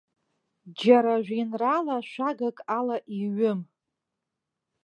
Џьара жәеинраала шәагак ала иҩым.